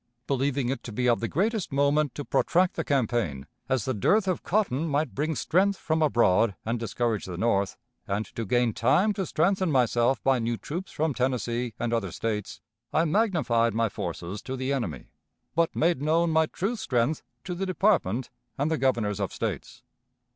Believing it to be of the greatest moment to protract the campaign, as the dearth of cotton might bring strength from abroad and discourage the North, and to gain time to strengthen myself by new troops from Tennessee and other States, I magnified my forces to the enemy, but made known my true strength to the department and the Governors of States.